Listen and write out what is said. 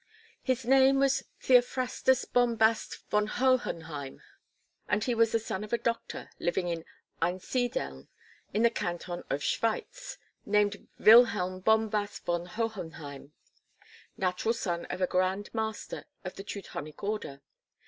His name was Theophrastus Bombast von Hohenheim, and he was the son of a doctor living in Einsiedeln in the canton of Schwyz, named Wilhelm Bombast von Hohenheim, natural son of a Grand Master of the Teutonic Order.